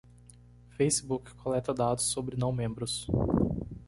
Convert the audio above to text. Facebook coleta dados sobre não membros.